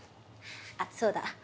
あっそうだ。